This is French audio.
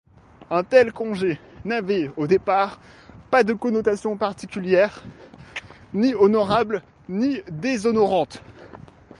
Un tel congé n'avait au départ pas de connotation particulière, ni honorable ni déshonorante.